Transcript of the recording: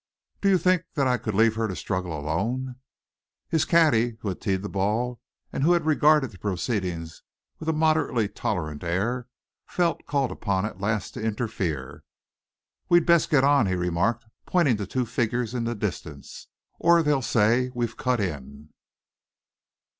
Do you think that I could leave her to struggle alone?" His caddy, who had teed the ball, and who had regarded the proceedings with a moderately tolerant air, felt called upon at last to interfere. "We'd best get on," he remarked, pointing to two figures in the distance, "or they'll say we've cut in."